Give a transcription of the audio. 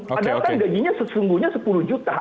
padahal kan gajinya sesungguhnya sepuluh juta